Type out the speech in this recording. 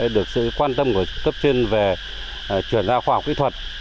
được sự quan tâm của cấp trên về chuyển giao khoa học kỹ thuật